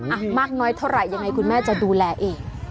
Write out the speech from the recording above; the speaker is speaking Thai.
อ่ะมากน้อยเท่าไหร่ยังไงคุณแม่จะดูแลเอง